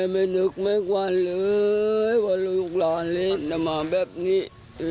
ไม่นึกไม่ควรเลยว่าลูกรอเล่นจะมาแบบนี้